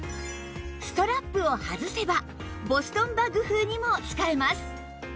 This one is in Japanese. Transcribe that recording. ストラップを外せばボストンバッグ風にも使えます